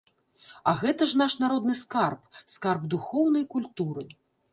А гэта ж наш народны скарб, скарб духоўнай культуры.